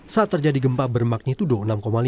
saat terjadi gempa bermakni tuduh enam lima